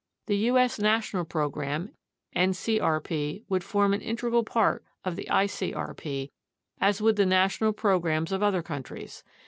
The U.S. national program (ncrp) would form an integral part of the icrp, as would the national programs of other countries.